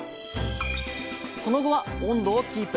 その後は温度をキープ。